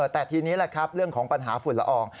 แต่ทีนี้แหละครับเรื่องของปัญหาฝุ่นละออง